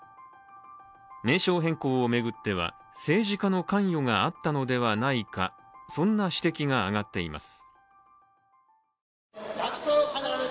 名称変更を巡っては、政治家の関与があったのではないかそんな指摘が上がっています。